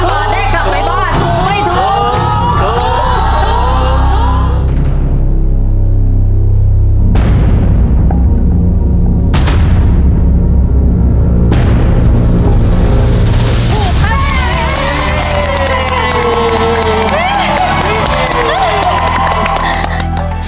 ถูกไม่ถูก